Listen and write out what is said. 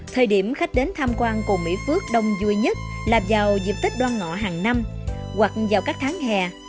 thời điểm khách đến tham quan cồn mỹ phước đông vui nhất là vào dịp tích đoan ngọ hàng năm hoặc vào các tháng hè